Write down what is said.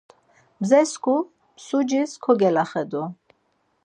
Mzesku msucis kogelaxedu.